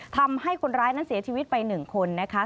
ทำให้คนร้ายนั้นเสียชีวิตแค่ไป๑คน